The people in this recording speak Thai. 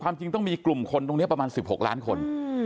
จริงต้องมีกลุ่มคนตรงนี้ประมาณ๑๖ล้านคน